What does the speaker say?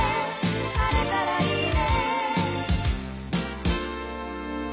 「晴れたらいいね」